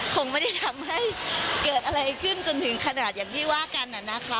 คงไม่ได้ทำให้เกิดอะไรขึ้นจนถึงขนาดอย่างที่ว่ากันนะคะ